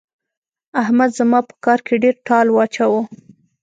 احمد زما په کار کې ډېر ټال واچاوو.